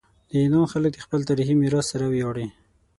د یونان خلک د خپل تاریخي میراث سره ویاړي.